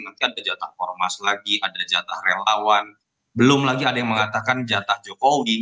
nanti ada jatah ormas lagi ada jatah relawan belum lagi ada yang mengatakan jatah jokowi